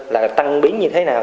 là tăng biến như thế nào